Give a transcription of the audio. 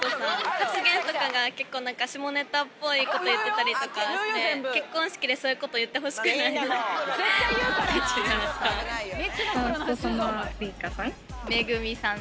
発言とかが、結構、下ネタっぽいこととか言ってたりして、結婚式でそういうことを言ってほしくな若槻千夏さん。